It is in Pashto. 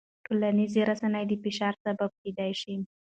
ټولنیزې رسنۍ د فشار سبب کېدای شي.